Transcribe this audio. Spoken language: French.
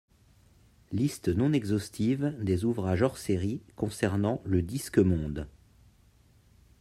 Liste non-exhaustive des ouvrages hors-série concernant le Disque-Monde.